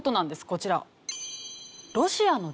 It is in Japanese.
こちら。